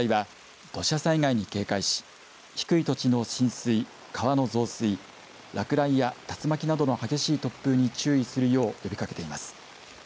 気象台は土砂災害に警戒し低い土地の浸水、川の増水落雷や竜巻などの激しい突風に注意するよう呼びかけています。